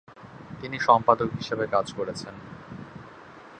তিনি সম্পাদক হিসেবে কাজ করেছেন।